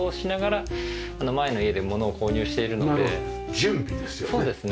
準備ですよね。